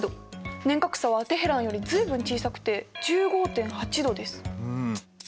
年較差はテヘランより随分小さくて１５．８度です。